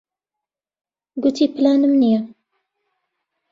گوتی پلانم نییە.